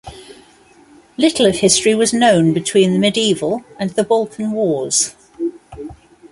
Little of history was known between the Medieval and the Balkan Wars.